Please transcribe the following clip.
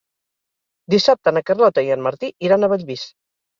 Dissabte na Carlota i en Martí iran a Bellvís.